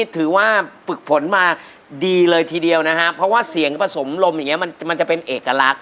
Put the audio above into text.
ถือว่าฝึกฝนมาดีเลยทีเดียวนะฮะเพราะเสียงผสมลมมันจะเป็นเอกลักษณ์